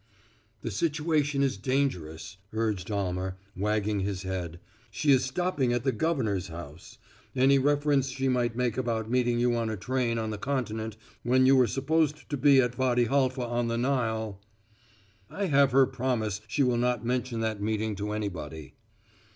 "The situation is dangerous," urged Almer, wagging his head. "She is stopping at the governor's house; any reference she might make about meeting you on a train on the Continent when you were supposed to be at Wady Halfa on the Nile " "I have her promise she will not mention that meeting to anybody."